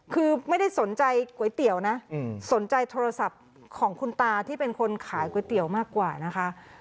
คือไม่ได้สนใจก๋วยเตี๋ยวนะสนใจโทรศัพท์ของคุณตาที่เป็นคนขายก๋วยเตี๋ยวมากกว่านะคะ